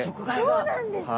そうなんですか！